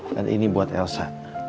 dan ini buat elsa